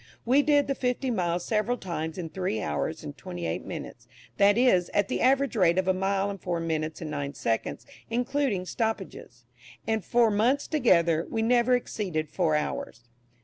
We did the fifty miles several times in three hours and twenty eight minutes (that is, at the average rate of a mile in four minutes and nine seconds, including stoppages), and for months together, we never exceeded four hours.